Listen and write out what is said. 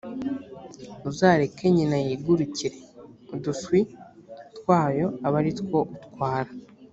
uzareke nyina yigurukire, uduswi twayo abe ari two utwara.